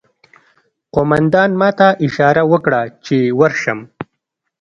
قومندان ماته اشاره وکړه چې ورشم